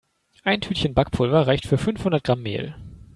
Ein Tütchen Backpulver reicht für fünfhundert Gramm Mehl.